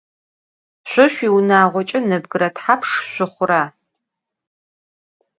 Şso şsuiunağoç'e nebgıre thapşş şsuxhura?